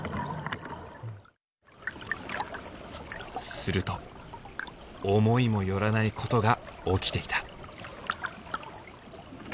すると思いも寄らないことが起きていた。